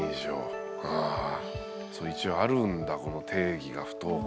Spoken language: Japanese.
一応あるんだこの定義が不登校の。